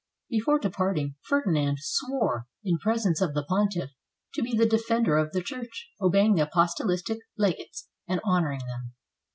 Before departing, Ferdinand swore, in presence of the pontiff, to be the defender of the Church, obeying the apostolic legates, and honoring them.